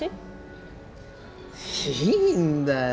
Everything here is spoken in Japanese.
いいんだよ